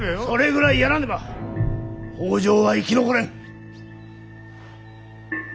それぐらいやらねば北条は生き残れん。